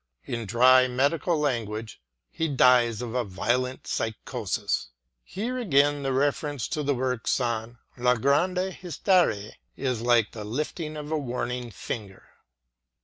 In dry medical language, he dies of a violent psychosis. Here again the reference to works on "La grande hysterie is like the lifting of a warning finger.